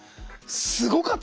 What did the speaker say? すごかった。